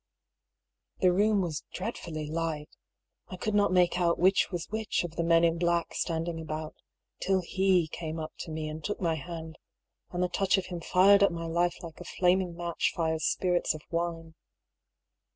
The room was dreadfully light. I could not make out which was which of the men in black standing about, till he came up to me and took my hand ; and the touch of him fired up my life like a flaming match fires spirits of wine.